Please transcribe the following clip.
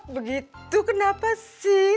begitu kenapa sih